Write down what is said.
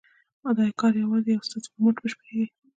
دا کار یوازې ستاسو په مټ بشپړېږي.